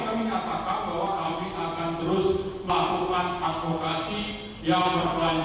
kembali kami katakan bahwa kami akan terus melakukan advokasi yang berkelanjutan